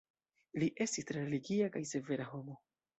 Li estis tre religia kaj severa homo.